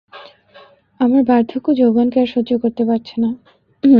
আমার বার্ধক্য যৌবনকে আর সহ্য করতে পারছে না।